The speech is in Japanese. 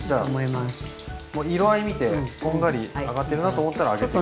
色合い見てこんがり揚がってるなと思ったらあげていい？